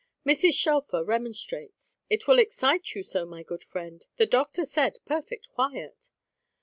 Mrs. Shelfer remonstrates. "It will excite you so, my good friend. The doctor said perfect quiet."